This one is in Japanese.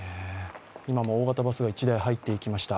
今も大型バスが１台、入っていきました。